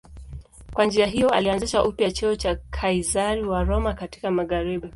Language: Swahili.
Kwa njia hiyo alianzisha upya cheo cha Kaizari wa Roma katika magharibi.